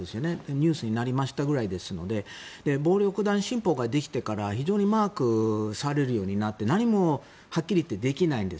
ニュースになったぐらいですので暴力団新法ができてから非常にマークされるようになって何もはっきり言ってできないので。